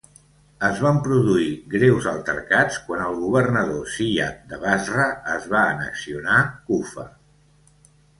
Es van produir greus altercats quan el governador Ziyad de Basra es va annexionar Kufa.